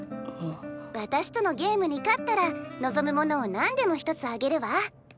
私とのゲームに勝ったら望むものを何でもひとつあげるわ。